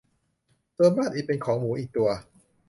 ส่วนบ้านอิฐเป็นของหมูอีกตัว